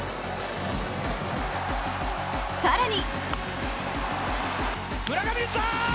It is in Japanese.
更に！